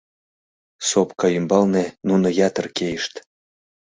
Сопка ӱмбалне нуно ятыр кийышт.